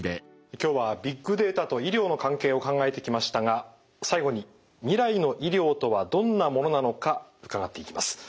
今日はビッグデータと医療の関係を考えてきましたが最後に未来の医療とはどんなものなのか伺っていきます。